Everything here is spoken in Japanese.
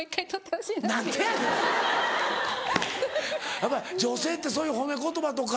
やっぱり女性ってそういう褒め言葉とか。